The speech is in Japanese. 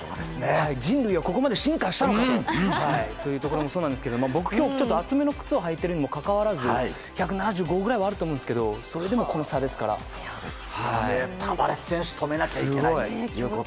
人類はここまで進化したのかというのもそうなんですが僕、今日ちょっと厚めの靴を履いているにもかかわらず１７５ぐらいはあると思うんですけれどもこのタバレス選手を止めなければいけないと。